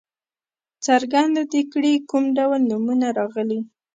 څرګنده دې کړي کوم ډول نومونه راغلي.